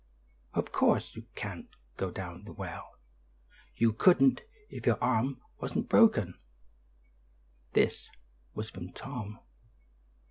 Of course you can't go down the well; you couldn't if your arm wasn't broken." This was from Tom.